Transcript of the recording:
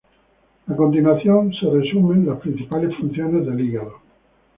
A continuación se resumen las principales funciones del hígado.